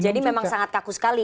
jadi memang sangat kaku sekali